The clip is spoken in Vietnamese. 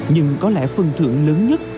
nhưng có lẽ phần thưởng lớn nhất